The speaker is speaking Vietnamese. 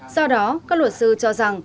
do đó các luật sư cho rằng